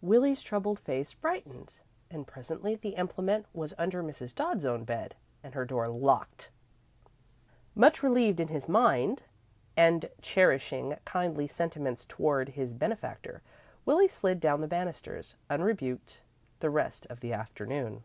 Willie's troubled face brightened, and presently the implement was under Mrs. Dodd's own bed, and her door locked. Much relieved in his mind and cherishing kindly sentiments toward his benefactor, Willie slid down the banisters, unrebuked, the rest of the afternoon.